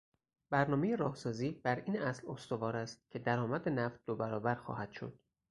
برنامهی راهسازی براین اصل استوار است که درآمد نفت دوبرابر خواهد شد.